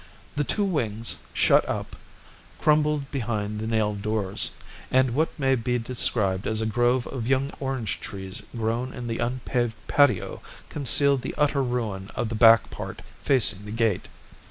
The two wings, shut up, crumbled behind the nailed doors, and what may be described as a grove of young orange trees grown in the unpaved patio concealed the utter ruin of the back part facing the gate.